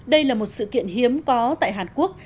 đây là một sự kiện hiếm có tại hàn quốc